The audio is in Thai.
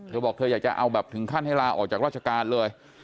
เธอบอกเธออยากจะเอาแบบถึงขั้นให้ลาออกจากราชการเลย